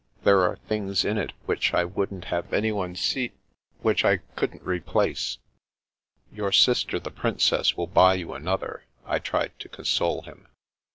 " There are things in it which I wouldn't have anyone s — ^which I couldn't replace." " Your sister the Princess will buy you another," I tried to console him.